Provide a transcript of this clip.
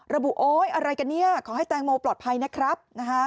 โอ๊ยอะไรกันเนี่ยขอให้แตงโมปลอดภัยนะครับ